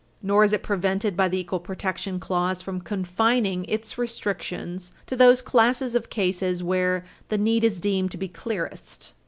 Nor is it prevented by the equal protection clause from confining "its restrictions to those classes of cases where the need is deemed to be clearest."